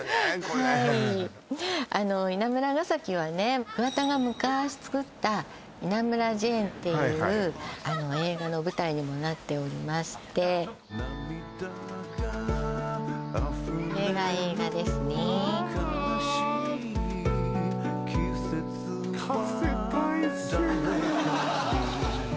これはいあの稲村ヶ崎はね桑田が昔作った「稲村ジェーン」っていう映画の舞台にもなっておりましてこれが映画ですねああ